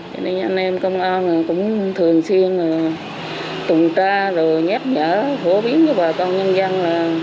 cho nên anh em công an cũng thường xuyên tùng tra nhép nhở hổ biến cho bà con nhân dân